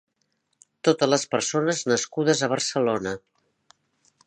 Totes les persones nascudes a Barcelona.